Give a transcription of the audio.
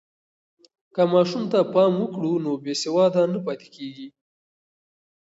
که ماشوم ته پام وکړو، نو بې سواده نه پاتې کېږي.